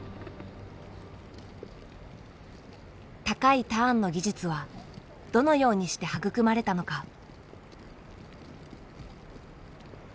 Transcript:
高いターンの技術はどのようにして育まれたのか。